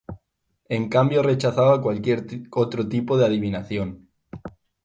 En cambio rechazaba cualquier otro tipo de adivinación.